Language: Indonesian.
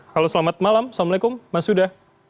halo selamat malam assalamualaikum mas huda